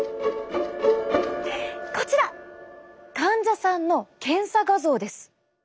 こちら患者さんの検査画像です。